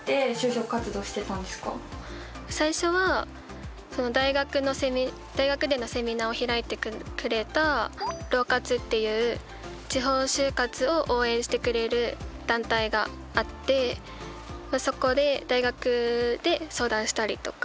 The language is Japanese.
最初は大学でのセミナーを開いてくれたＬＯ活っていう地方就活を応援してくれる団体があってそこで大学で相談したりとか。